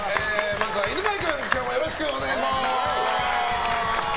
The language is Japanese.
まずは犬飼君今日もよろしくお願いします。